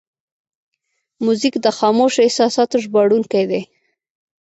موزیک د خاموشو احساساتو ژباړونکی دی.